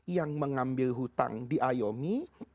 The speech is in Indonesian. yang mengambil hutang diayomi